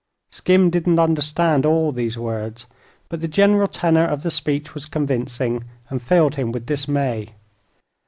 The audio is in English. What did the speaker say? Skim didn't understand all these words, but the general tenor of the speech was convincing, and filled him with dismay.